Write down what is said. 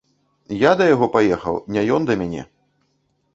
Я да яго паехаў, не ён да мяне!